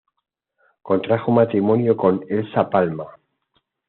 Contrajo matrimonio con Elsa Palma.